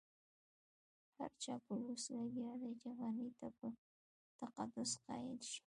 هر چاپلوس لګيا دی چې غني ته په تقدس قايل شي.